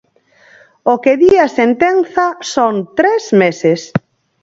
O que di a sentenza son tres meses.